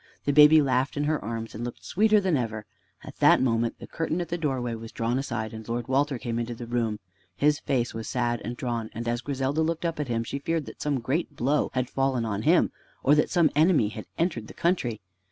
The baby laughed in her arms and looked sweeter than ever. At that moment the curtain at the doorway was drawn aside and Lord Walter came into the room. His face was sad and drawn, and as Griselda looked up at him she feared that some great blow had fallen on him, or that some enemy had entered the country.